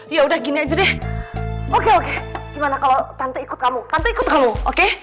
ya udah gini aja deh oke oke gimana kalau tante ikut kamu tante ikut kamu oke